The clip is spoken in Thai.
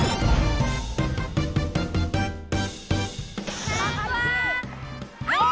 มา